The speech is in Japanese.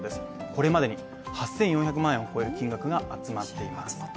これまでに８４００万円を超える金額が集まっています。